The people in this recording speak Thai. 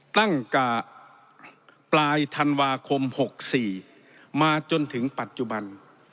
ตั้งแต่ปลายธันวาคม๖๔มาจนถึงปัจจุบัน